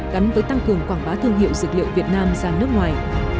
gắn với tăng cường quảng bá thương hiệu dược liệu việt nam ra nước ngoài